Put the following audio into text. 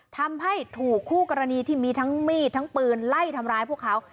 ทำให้ถูกคู่กรณีที่มีทั้งมีดทั้งปืนไล่ทำร้ายพวกเขา